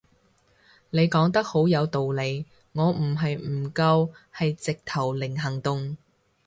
你講得好有道理，我唔係唔夠係直頭零行動